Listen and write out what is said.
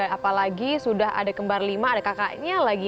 apalagi sudah ada kembar lima ada kakaknya lagi